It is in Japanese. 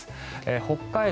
北海道